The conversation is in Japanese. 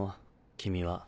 君は。